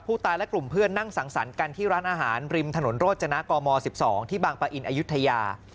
และกลุ่มเพื่อนนั่งสังสรรค์กันที่ร้านอาหารริมถนนโรจนะกม๑๒ที่บางปะอินอายุทยา